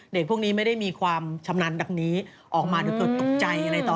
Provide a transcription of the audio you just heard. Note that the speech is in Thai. เด็กพวกนี้ไม่ได้มีความชำนาญดังนี้ออกมาหรือเกิดตกใจอะไรต่อ